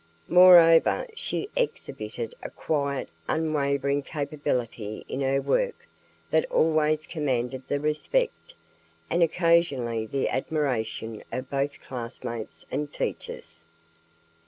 Moreover, she exhibited a quiet, unwavering capability in her work that always commanded the respect, and occasionally the admiration, of both classmates and teachers.